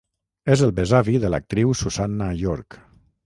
És el besavi de l'actriu Susannah York.